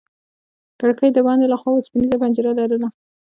کړکۍ د باندې له خوا وسپنيزه پنجره لرله.